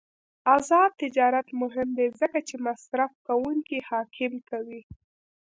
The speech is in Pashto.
آزاد تجارت مهم دی ځکه چې مصرفکونکي حاکم کوي.